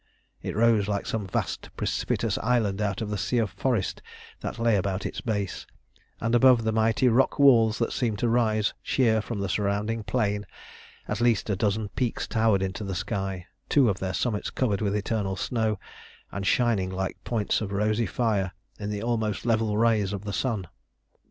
It rose like some vast precipitous island out of the sea of forest that lay about its base; and above the mighty rock walls that seemed to rise sheer from the surrounding plain at least a dozen peaks towered into the sky, two of their summits covered with eternal snow, and shining like points of rosy fire in the almost level rays of the sun.